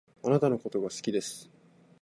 貴方のことが好きです